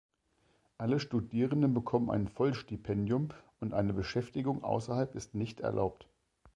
Alle Studierenden bekommen ein Vollstipendium und eine Beschäftigung außerhalb ist nicht erlaubt.